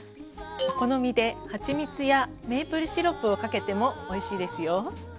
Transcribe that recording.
お好みではちみつやメープルシロップをかけてもおいしいですよ。